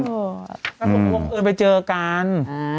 ก็บอกว่าบังเอิญไปเจอกัน